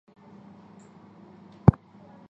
门内有高台甬路通往干清宫月台。